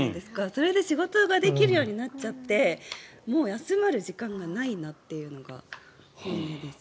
それで仕事ができるようになっちゃってもう休まる時間がないなというのが本音です。